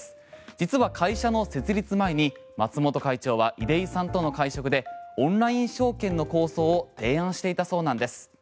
実は会社の設立前に松本会長は出井さんとの会食でオンライン証券の構想を提案していたそうなんです。